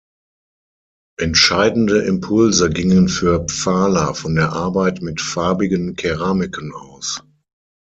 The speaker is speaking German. Entscheidende Impulse gingen für Pfahler von der Arbeit mit farbigen Keramiken aus.